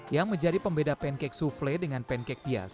yang menjadi pembeda pancake souffle dengan pancake hias